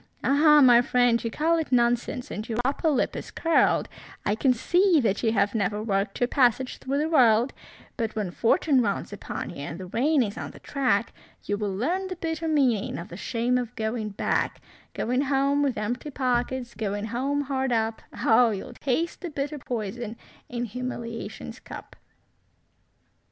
Ah! my friend, you call it nonsense, and your upper lip is curled, I can see that you have never worked your passage through the world; But when fortune rounds upon you and the rain is on the track, You will learn the bitter meaning of the shame of going back; Going home with empty pockets, Going home hard up; Oh, you'll taste the bitter poison in humiliation's cup.